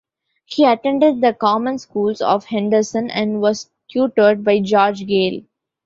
He attended the common schools of Henderson, and was tutored by George Gayle.